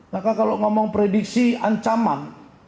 maka kalau ngomong prediksi ancaman